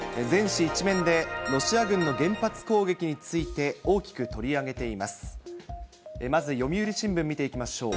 全紙１面でロシア軍の原発攻撃について大きく取り上げています。